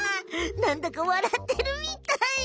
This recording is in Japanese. なんだかわらってるみたい！ねえ？